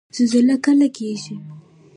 زلزله کله کیږي؟